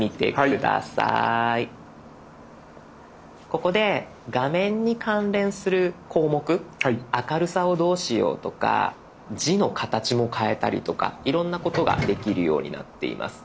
ここで画面に関連する項目明るさをどうしようとか字の形も変えたりとかいろんなことができるようになっています。